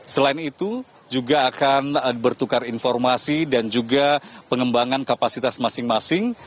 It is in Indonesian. selain itu juga akan bertukar informasi dan juga pengembangan kapasitas masing masing